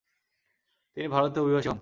তিনি ভারতে অভিবাসী হন।